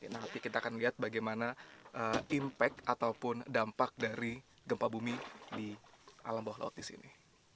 nanti kita akan lihat bagaimana impact ataupun dampak dari gempa bumi di alam bawah laut di sini